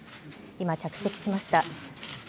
今、着席しました。